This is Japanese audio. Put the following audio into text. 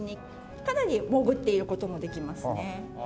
かなり潜っている事もできますね。